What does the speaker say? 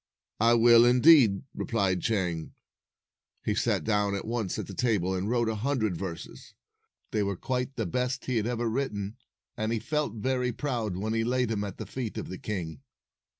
"I will, indeed," replied Chang. He sat down at once at a table, and wrote a hundred verses. They were quite the best he had ever written, and he felt very proud when he laid them at the feet of the king.